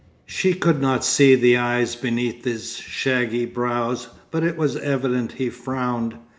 She could not see the eyes beneath his shaggy brows, but it was evident he frowned.